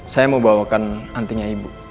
saya mau bawakan antinya ibu